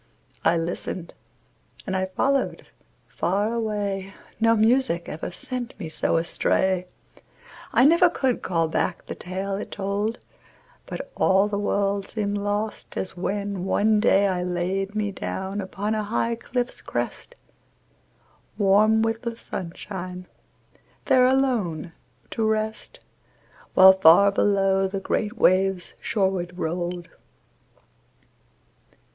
I listened, and I followed far away No music ever sent me so astray, I never could call back the tale it told, But all the world seemed lost, as when, one day, I laid me down upon a high cliff's crest, Warm with the sunshine, there alone to rest, While far below the great waves shoreward rolled.